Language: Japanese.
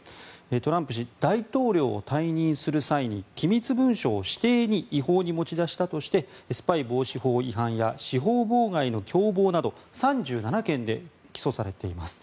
トランプ氏大統領を退任する際に機密文書を私邸に違法に持ち出したとしてスパイ防止法違反や司法妨害の共謀など３７件で起訴されています。